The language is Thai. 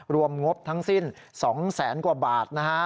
งบทั้งสิ้น๒แสนกว่าบาทนะฮะ